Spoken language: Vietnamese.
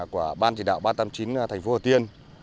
của ban chỉ đạo ba trăm tám mươi chín thành phố hồ tiên